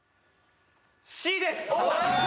Ｃです！